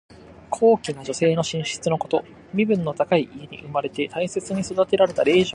高貴な女性の寝室のこと。身分の高い家に生まれて大切に育てられた令嬢の生活のたとえとして使われる。